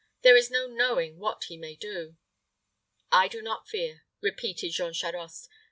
There is no knowing what he may do." "I do not fear," repeated Jean Charost.